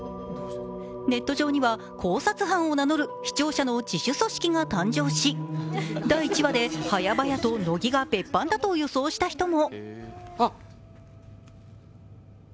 ネット上には、考察班を名乗る視聴者の自主組織が誕生し、第１話で早々と乃木が別班だと予想した人も。